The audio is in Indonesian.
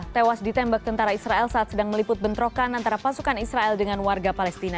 tewas ditembak tentara israel saat sedang meliput bentrokan antara pasukan israel dengan warga palestina